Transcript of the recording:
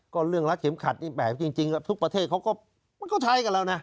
ก็เรื่องรักเข็มขัดนี่แหมจริงทุกประเทศเขาก็มันก็ใช้กันแล้วนะ